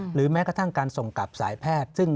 แม้กระทั่งการส่งกลับสายแพทย์